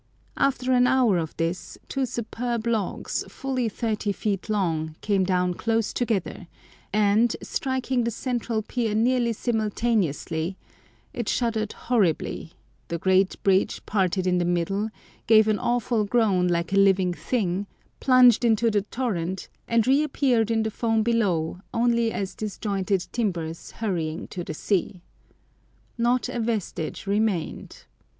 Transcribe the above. After an hour of this two superb logs, fully thirty feet long, came down close together, and, striking the central pier nearly simultaneously, it shuddered horribly, the great bridge parted in the middle, gave an awful groan like a living thing, plunged into the torrent, and re appeared in the foam below only as disjointed timbers hurrying to the sea. Not a vestige remained.